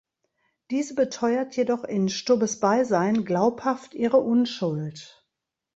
Diese beteuert jedoch in Stubbes Beisein glaubhaft ihre Unschuld.